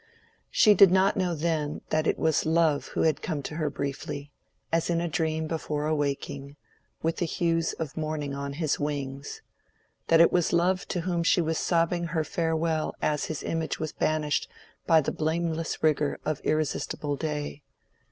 She did not know then that it was Love who had come to her briefly, as in a dream before awaking, with the hues of morning on his wings—that it was Love to whom she was sobbing her farewell as his image was banished by the blameless rigor of irresistible day.